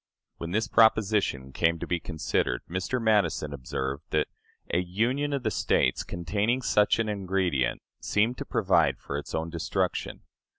When this proposition came to be considered, Mr. Madison observed that "a union of the States containing such an ingredient seemed to provide for its own destruction.